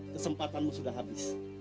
kesempatanmu sudah habis